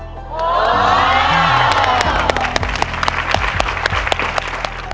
โอ้วดีมาก